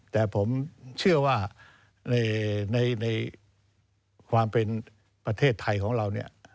แต่ผมเชื่อว่าในความเป็นประเทศไทยของเราเนี่ย